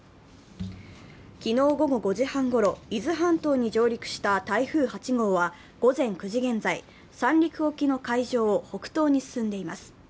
昨日午後５時半ごろ、伊豆半島に上陸した台風８号は、午前９時現在、三陸沖の海上を北東に進んでいます。